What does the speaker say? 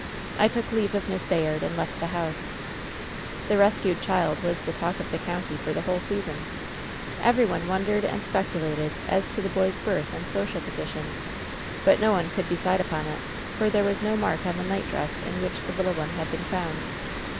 I took leave of Miss Bayard, and left the house. "The rescued child was the talk of the county for the ^ whole season. Every one wondered and speculated as to the boy's birth and social position, but no one could decide upon it, for there was no mark on the nightdress in which the little one had beenTfoimd.